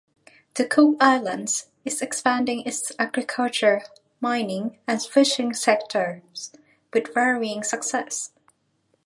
The Cook Islands is expanding its agriculture, mining and fishing sectors, with varying success.